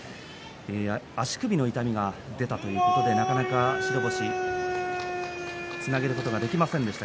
足首の痛みが出たということでなかなか白星につなげることができませんでした。